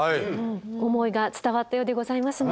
思いが伝わったようでございますね。